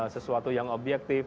sesuatu yang objektif